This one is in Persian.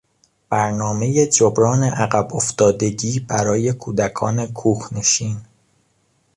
برنامهی جبران عقبافتادگی برای کودکان کوخنشین